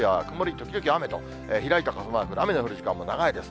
時々雨と開いた傘マーク、雨の降る時間帯も長いです。